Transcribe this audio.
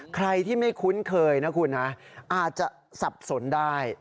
ใครที่ไม่คุ้นเคยนะคุณนะอาจจะสับสนได้